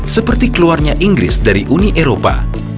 seperti keluarnya inggris dari uni eropa